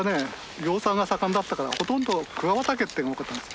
養蚕が盛んだったからほとんど桑畑ってのが多かったんですよ。